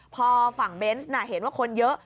พอฝั่งเบนส์เห็นว่าคนเยอะ